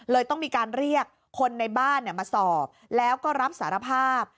ต้องมีการเรียกคนในบ้านมาสอบแล้วก็รับสารภาพ